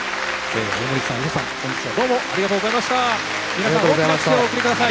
皆さん大きな拍手をお送りください。